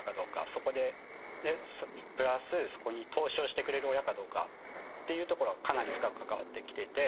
そこでプラスそこに投資をしてくれる親かどうかっていうところはかなり深く関わってきていて。